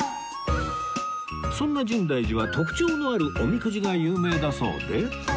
そんな深大寺は特徴のあるおみくじが有名だそうで